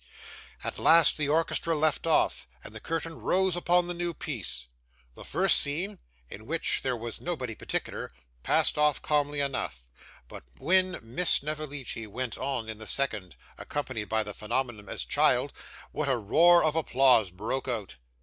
At last, the orchestra left off, and the curtain rose upon the new piece. The first scene, in which there was nobody particular, passed off calmly enough, but when Miss Snevellicci went on in the second, accompanied by the phenomenon as child, what a roar of applause broke out!